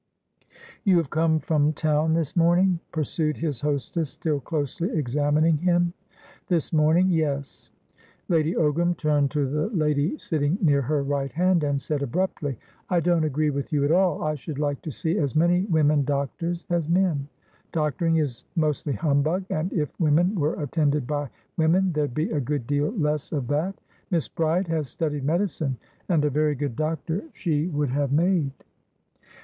"You have come from town this morning?" pursued his hostess, still closely examining him. "This morning, yes." Lady Ogram turned to the lady sitting near her right hand, and said abruptly: "I don't agree with you at all. I should like to see as many women doctors as men. Doctoring is mostly humbug, and if women were attended by women there'd be a good deal less of that. Miss Bride has studied medicine, and a very good doctor she would have made."